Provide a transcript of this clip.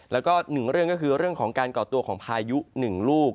แล้วก็๑เรื่องก็คือเรื่องของการก่อตัวของพายุ๑ลูก